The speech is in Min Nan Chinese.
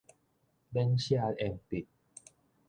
免削鉛筆